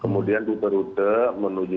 kemudian rute rute menuju